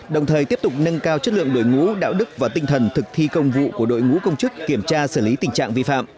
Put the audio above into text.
đồng thời tiếp tục nâng cao chất lượng đội ngũ đạo đức và tinh thần thực thi công vụ của đội ngũ công chức kiểm tra xử lý tình trạng vi phạm